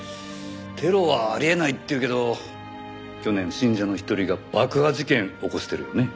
テロはあり得ないって言うけど去年信者の一人が爆破事件起こしてるよね？